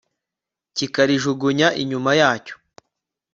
kikarijugunya inyuma yacyo